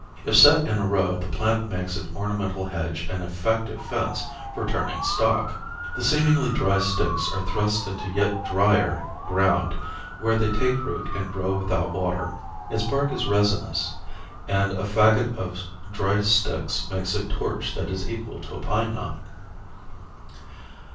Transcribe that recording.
If set in a row the plant makes an ornamental hedge and effective fence for turning stock. The seemingly dry sticks are thrust into yet drier ground where they take root and grow without water. Its bark is resinous and a fagot of dry sticks makes a torch that is equal to a pineknot.